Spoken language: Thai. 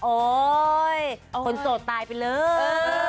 โอ๊ยคนโสดตายไปเลย